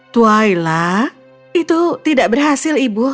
twaila itu tidak berhasil ibu